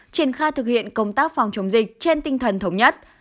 triển khai thực hiện công tác phòng chống dịch trên tinh thần thống nhất